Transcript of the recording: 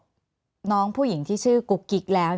แอนตาซินเยลโรคกระเพาะอาหารท้องอืดจุกเสียดแสบร้อน